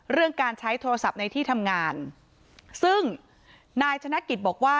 เรื่องการใช้โทรศัพท์ในที่ทำงานซึ่งนายชนะกิจบอกว่า